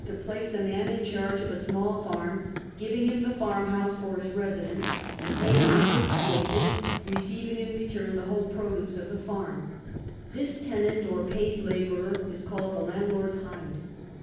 1 GREAT AYTON 3 place a man in charge of a small farm, giving him the farmhouse for his residence, and paying him fixed wages, receiving in retum the whole produce of the farm. This tenant or paid labourer is called the landlord's hind.